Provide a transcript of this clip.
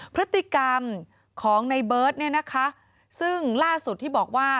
พฤติกรรมของในเบิร์ตซึ่งล่าสุดที่บอกว่า